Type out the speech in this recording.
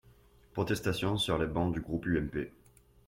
Protestations sur les bancs du groupe UMP.